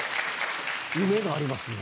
夢がありますね何か。